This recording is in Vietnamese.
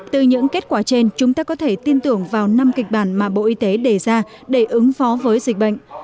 từ những kết quả trên chúng ta có thể tin tưởng vào năm kịch bản mà bộ y tế đề ra để ứng phó với dịch bệnh